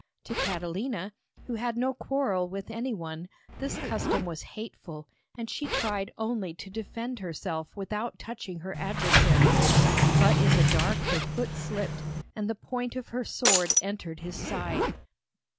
To Catalina, who had no quarrel with any one, this custom was hateful, and she tried only to defend herself without touching her adversary. But in the dark her foot slipped and the point of her sword entered his side.